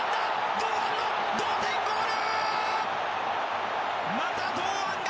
堂安の同点ゴール！